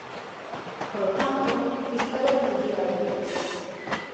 Polo tanto, isto é o que di a lei.